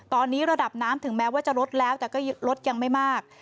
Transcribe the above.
ตอนนี้ระดับน้ำถึงแม้ว่าจะลดแล้วแต่ก็ลดยังไม่มาก